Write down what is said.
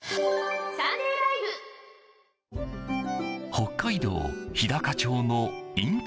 北海道日高町の引退